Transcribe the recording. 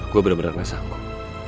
gue bener bener gak sanggup